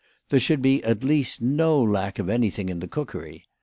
There should at least be no lack of anything in the cookery.